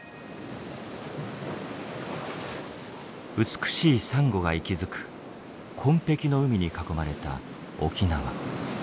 美しいサンゴが息づく紺ぺきの海に囲まれた沖縄。